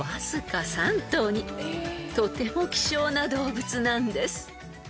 ［とても希少な動物なんです］